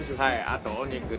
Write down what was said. あとお肉ね。